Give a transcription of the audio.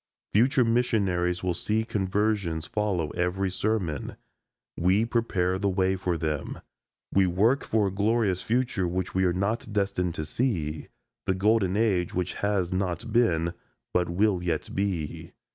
Future missionaries will see conversions follow every sermon. We prepare the way for them. We work for a glorious future which we are not destined to see the golden age which has not been, but will yet be.